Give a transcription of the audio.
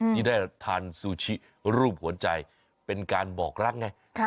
ที่ได้ทานซูชิรูปหัวใจเป็นการบอกรักไง